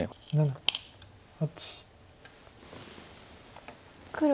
７８。